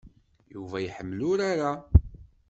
Yuba iḥemmel urar-a.